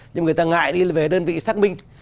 nhưng người ta ngại đi về đơn vị xác minh